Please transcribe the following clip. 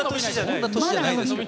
そんな年じゃないですから。